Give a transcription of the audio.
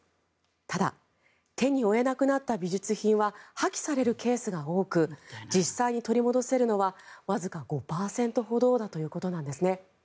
ただ手に負えなくなった美術品は破棄されるケースが多く実際に取り戻せるのはわずか５％ほどだということなんですね。